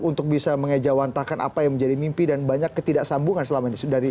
untuk bisa mengejawantakan apa yang menjadi mimpi dan banyak ketidaksambungan selama ini